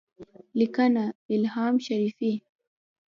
لیکنه: الهام شریفی